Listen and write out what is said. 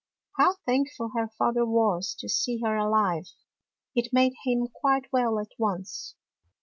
How thankful her father was to see her alive! It made him quite well at once.